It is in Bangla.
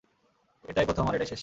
এটাই প্রথম আর এটাই শেষ।